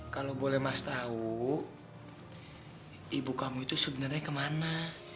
kalau boleh mas tahu ibu kamu itu sebenarnya kemana